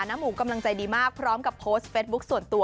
หมูกำลังใจดีมากพร้อมกับโพสต์เฟสบุ๊คส่วนตัว